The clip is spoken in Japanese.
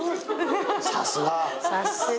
さすが。